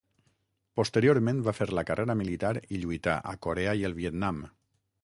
Posteriorment va fer la carrera militar i lluità a Corea i el Vietnam.